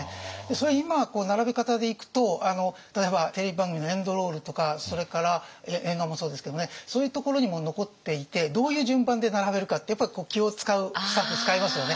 それ今並べ方でいくと例えばテレビ番組のエンドロールとかそれから映画もそうですけれどもねそういうところにも残っていてどういう順番で並べるかってやっぱ気を遣うスタッフ遣いますよね。